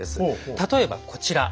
例えばこちら。